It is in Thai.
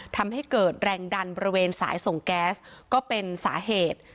ทำให้เกิดแรงดันบริเวณสายส่งแก๊สก็เป็นสาเหตุ